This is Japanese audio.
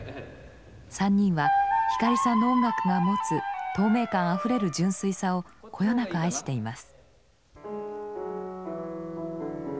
３人は光さんの音楽が持つ透明感あふれる純粋さをこよなく愛しています。